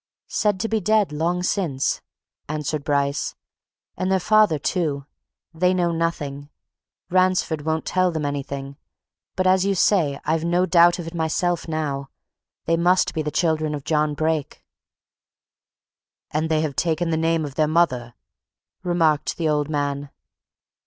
"Said to be dead long since," answered Bryce. "And their father, too. They know nothing. Ransford won't tell them anything. But, as you say I've no doubt of it myself now they must be the children of John Brake." "And have taken the name of their mother!" remarked the old man.